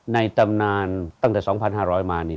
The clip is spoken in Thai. ในตำนานตั้งแต่๒๕๐๐บละภาคพญานาค